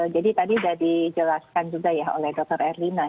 jadi tadi sudah dijelaskan juga ya oleh dokter erlin